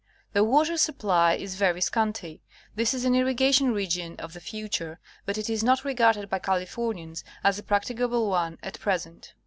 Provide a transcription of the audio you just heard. The water supply is very scanty. This is an irrigation region of the future, but it is not regarded by Californians as a practicable one at present.